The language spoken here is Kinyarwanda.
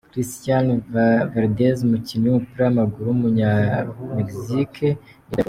Christian Valdéz, umukinnyi w’umupira w’amaguruw’umunyamegizike nibwo yavutse.